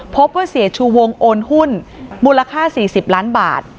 พบว่าเสียชูวงโอนหุ้นมูลค่า๔๐ล้านบาท